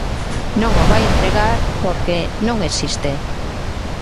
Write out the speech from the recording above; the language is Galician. Non o vai entregar porque non existe.